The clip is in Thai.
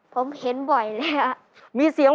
ผมเห็นบ่อยเลยอะ